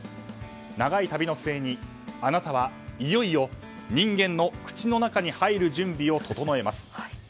長い旅の末に、あなたはいよいよ人間の口の中に入る準備を整えます。